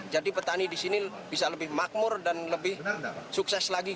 jadi petani di sini bisa lebih makmur dan lebih sukses lagi